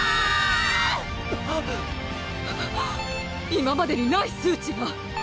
今までにない数値が！